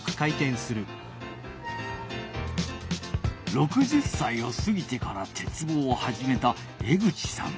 ６０歳をすぎてから鉄棒をはじめた江口さん。